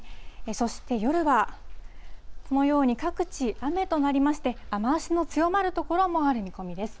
そして夜は、このように各地、雨となりまして、雨足の強まる所もある見込みです。